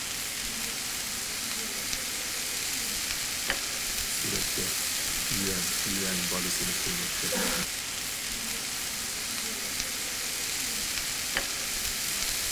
سۈرەتتە:« يۈەن يۈەن» بالىسىنى سۆيمەكتە.